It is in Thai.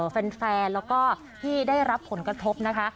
แฟนแล้วก็ที่ได้รับผลกระทบนะคะ